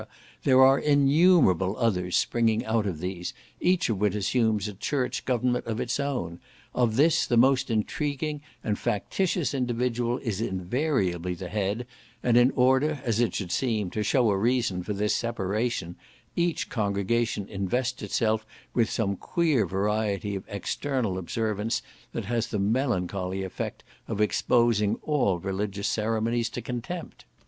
there are innumerable others springing out of these, each of which assumes a church government of its own; of this, the most intriguing and factious individual is invariably the head; and in order, as it should seem, to shew a reason for this separation, each congregation invests itself with some queer variety of external observance that has the melancholy effect of exposing all religious ceremonies to contempt.